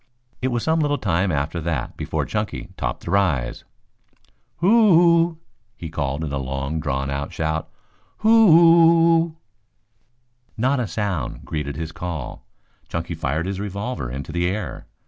It was some little time after that before Chunky topped the rise. "Hoo oo oo oo!" he called in a long drawn shout. "Hoo oo oo oo!" Not a sound greeted his call. Chunky fired his revolver into the air.